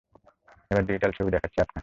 এবার ডিজিটাল ছবি দেখাচ্ছি আপনাকে।